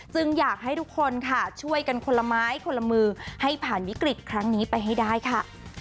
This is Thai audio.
อยากให้ทุกคนค่ะช่วยกันคนละไม้คนละมือให้ผ่านวิกฤตครั้งนี้ไปให้ได้ค่ะ